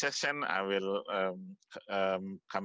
saya akan kembali lain kali